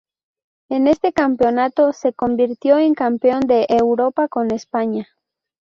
En este campeonato, se convirtió en campeón de Europa con España.